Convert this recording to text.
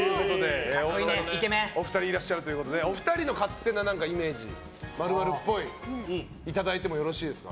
お二人いらっしゃるということでお二人の勝手なイメージ○○っぽいをいただいてもよろしいですか。